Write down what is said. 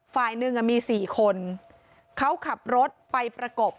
ฝ่ายหนึ่งมี๔คนเขาขับรถไปประกบ